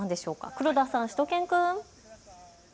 黒田さん、しゅと犬くん。